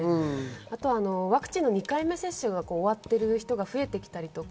あとはワクチン２回目接種が終わっている人が増えてきているとか。